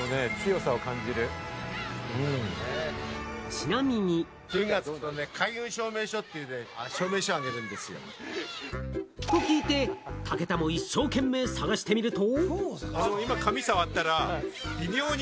ちなみに。と聞いて、武田も一生懸命探してみると。